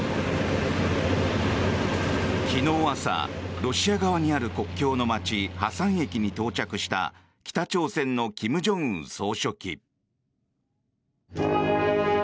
昨日朝、ロシア側にある国境の街ハサン駅に到着した北朝鮮の金正恩総書記。